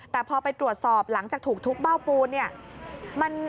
แต่พอไปตรวจสอบหลังจากถูกทุกข์เบ้าปูน